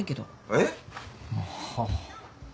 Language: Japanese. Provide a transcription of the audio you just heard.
えっ？